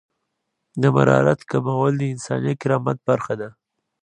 د مرارت کمول د انساني کرامت برخه ده.